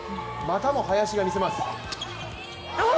またも林が見せます。